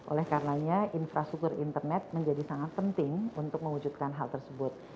oleh karenanya infrastruktur internet menjadi sangat penting untuk mewujudkan hal tersebut